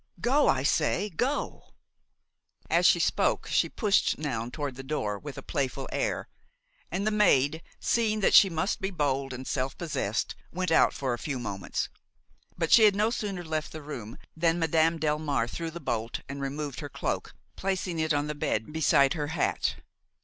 Go, I say, go!" As she spoke, she pushed Noun toward the door with a playful air; and the maid, seeing that she must be bold and self possessed, went out for a few moments. But she had no sooner left the room than Madame Delmare threw the bolt and removed her cloak, placing it on the bed beside her hat.